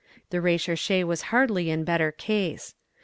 The Recherche was hardly in better case.